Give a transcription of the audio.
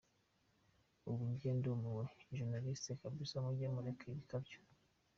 ubu njye ndumiwe!!journalist kabisa mujye mureka ibikabyo.